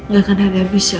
gak akan ada abis ya